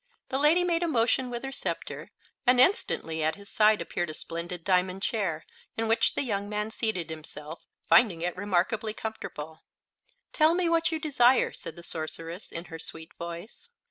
The lady made a motion with her scepter and instantly at his side appeared a splendid diamond chair, in which the young man seated himself, finding it remarkably comfortable. "Tell me what you desire," said the sorceress, in her sweet voice.